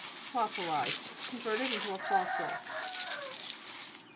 FOS'SILIZED Converted into a fos sil.